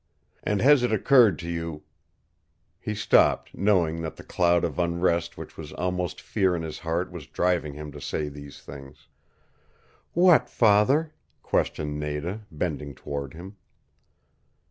And has it occurred to you " He stopped, knowing that the cloud of unrest which was almost fear in his heart was driving him to say these things. "What, father," questioned Nada, bending toward him.